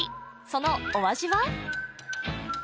そのお味は？